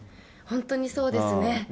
本当にそうですね。